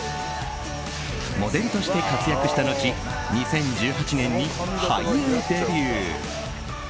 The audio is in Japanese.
モデルとして活躍した後２０１８年に俳優デビュー。